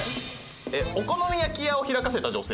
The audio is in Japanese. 「お好み焼き屋を開かせた女性」。